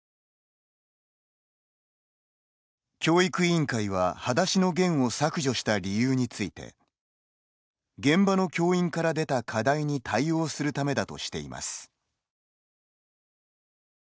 教育委員会は「はだしのゲン」を削除した理由について現場の教員から出た課題に対応するためだとしています。